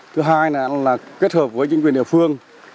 thứ hai là kết hợp với chính quyền địa phương